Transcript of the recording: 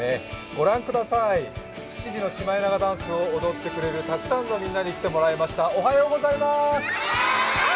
ご覧ください、７時のシマエナガダンスを踊ってくれるたくさんのみんなに来てもらいました、おはようございます！